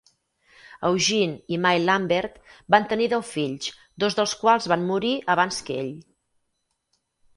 Eugene i Mai Lambert van tenir deu fills, dos dels quals van morir abans que ell.